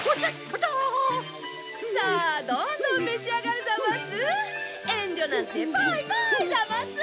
さあどんどん召し上がるざます！